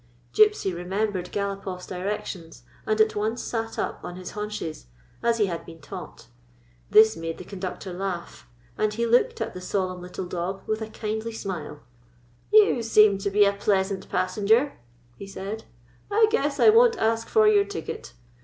Gypsy remembered Galopoff's directions, and at once sat up on his haunches as he had been taught. This made the conductor laugh, and he looked at the solemn little dog with a kindly smile. 118 OUT INTO THE BIG WORLD " You seem to be a pleasant passenger," he said. " I guess I won't ask for your ticket.